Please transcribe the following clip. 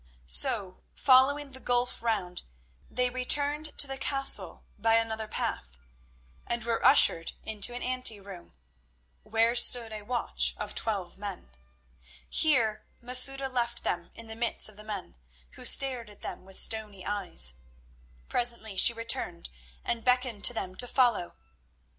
So, following the gulf round, they returned to the castle by another path, and were ushered into an ante room, where stood a watch of twelve men. Here Masouda left them in the midst of the men, who stared at them with stony eyes. Presently she returned, and beckoned to them to follow her.